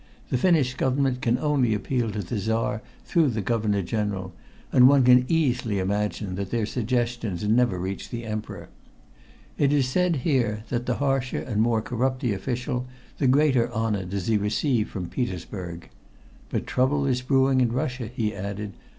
The Finnish Government can only appeal to the Czar through the Governor General, and one can easily imagine that their suggestions never reach the Emperor. It is said here that the harsher and more corrupt the official, the greater honor does he receive from Petersburg. But trouble is brewing for Russia," he added.